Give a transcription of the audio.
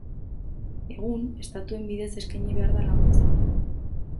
Egun, estatuen bidez eskaini behar da laguntza hori.